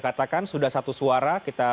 katakan sudah satu suara kita